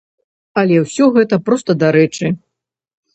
Але ўсё гэта проста дарэчы.